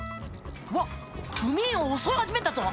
わっ組員を襲い始めたぞ。